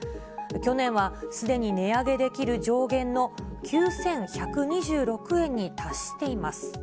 去年はすでに値上げできる上限の９１２６円に達しています。